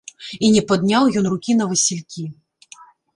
І не падняў ён рукі на васількі.